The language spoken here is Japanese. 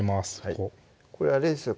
こうこれあれですよ